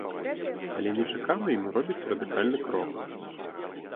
Але нечакана ён робіць радыкальны крок.